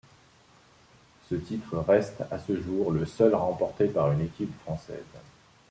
Ce titre reste, à ce jour, le seul remporté par une équipe française.